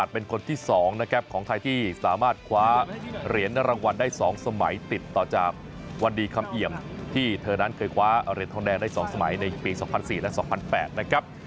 เป็นคนที่๒นะครับของไทยที่สามารถคว้าเหรียญรางวัลได้๒สมัยติดต่อจากวันดีคำเอี่ยมที่เธอนั้นเคยคว้าเหรียญทองแดงได้๒สมัยในปี๒๐๐๔และ๒๐๐๘นะครับ